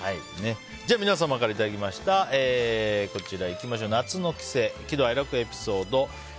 では皆様からいただきました夏の帰省、喜怒哀楽エピソード。